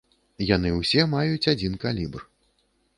Яны ўсе маюць адзін калібр.